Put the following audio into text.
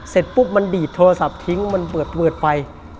เสร็จปุ๊บมันดีดโทรศัพท์ทิ้งมันเปิดไฟ